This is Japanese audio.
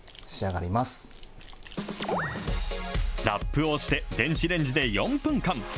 ラップをして、電子レンジで４分間。